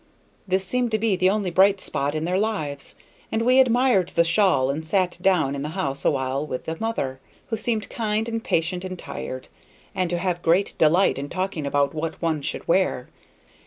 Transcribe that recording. This seemed to be the only bright spot in their lives, and we admired the shawl and sat down in the house awhile with the mother, who seemed kind and patient and tired, and to have great delight in talking about what one should wear.